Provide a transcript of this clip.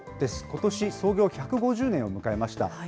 ことし創業１５０年を迎えました。